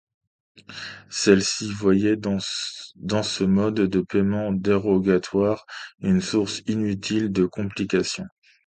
Celle-ci voyait dans ce mode de paiement dérogatoire, une source inutile de complications.